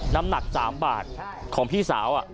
น้ำหนัก๓บาทของพี่สาว